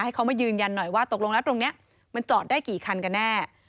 ให้เขามายืนยันหน่อยว่าตกลงแล้วตรงนี้มันจอดได้กี่คันกันแน่